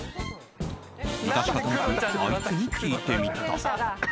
致し方なく、あいつに聞いてみた。